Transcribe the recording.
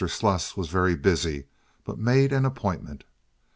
Sluss was very busy, but made an appointment.